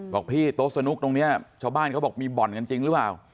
บอกพี่โต๊ะสนุกตรงนี้ชาวบ้านเขาบอกมีบ่อนกันจริงหรือเปล่า